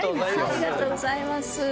ありがとうございます。